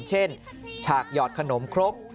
เช่นฉากหยอดขนมครบ